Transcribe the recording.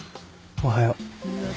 おはよう。